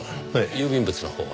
郵便物のほうは？